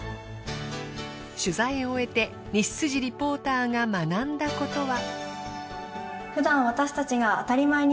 取材を終えて西リポーターが学んだことは。